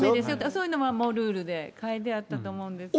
そういうのはもうルールで、書いてあったと思うんですよね。